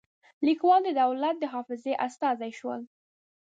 لیکوال د دولت د حافظې استازي شول.